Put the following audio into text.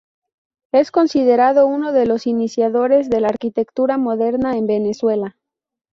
Es considerado uno de los iniciadores de la arquitectura moderna en Venezuela.